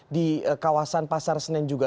di kawasan pasar senen juga